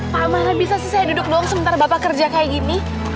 pak mana bisa sih saya duduk doang sementara bapak kerja kayak gini